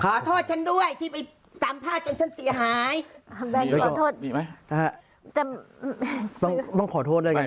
ขอโทษฉันด้วยที่ไปสัมภาษณ์จนฉันเสียหาย